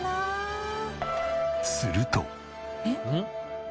すると。